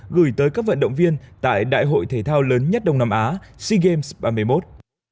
gửi tới các vận động viên tại đại hội thể thao lớn nhất đông nam á sea games ba mươi một